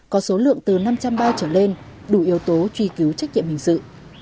có số lượng từ năm trăm linh bao trở lên đủ yếu tố truy cứu trách nhiệm hình sự